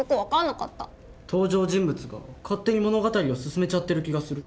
登場人物が勝手に物語を進めちゃってる気がする。